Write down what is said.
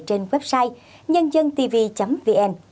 trên website nhândântv vn